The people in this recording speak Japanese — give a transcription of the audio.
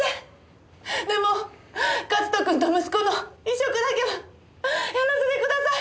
でも克斗君と息子の移植だけはやらせてください！